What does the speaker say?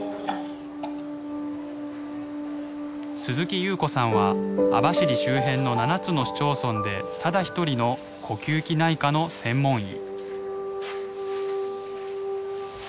鈴木夕子さんは網走周辺の７つの市町村でただ一人の呼吸器内科の専門医。